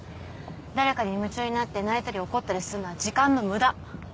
誰かに夢中になって泣いたり怒ったりするのは時間の無駄。